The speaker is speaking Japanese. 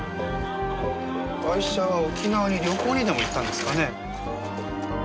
ガイシャは沖縄に旅行にでも行ったんですかね？